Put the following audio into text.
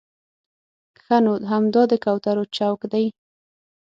ښه نو همدا د کوترو چوک دی.